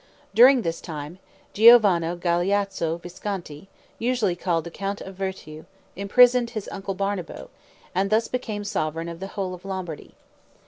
During this time, Giovanni Galeazzo Visconti, usually called the Count of Virtú, imprisoned his uncle Bernabo, and thus became sovereign of the whole of Lombardy.